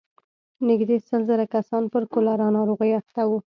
نږدې سل زره کسان پر کولرا ناروغۍ اخته وو.